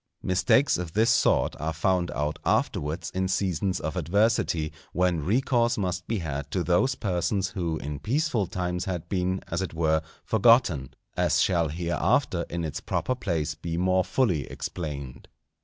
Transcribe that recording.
Mistakes of this sort are found out afterwards in seasons of adversity, when recourse must be had to those persons who in peaceful times had been, as it were, forgotten, as shall hereafter in its proper place be more fully explained.